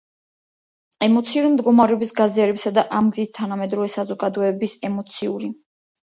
ემოციური მდგომარეობის გაზიარებისა და ამ გზით თანამედროვე საზოგადოების ემოციური